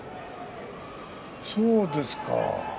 そうですか。